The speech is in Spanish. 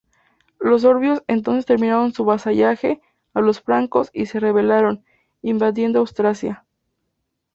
Los sorbios entonces terminaron su vasallaje a los francos y se rebelaron, invadiendo Austrasia.